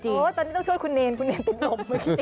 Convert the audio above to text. ตอนนี้ต้องช่วยคุณเนรคุณเนรติดหล่ม